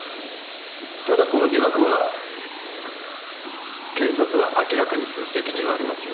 ただこの疑惑は検察は明らかにする責任はありますよ。